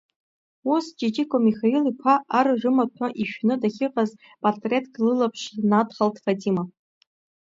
Ус Ҷиҷико Михаил-иԥа ар рымаҭәа ишәны дахьыҟаз патреҭк лылаԥш надхалт Фатима.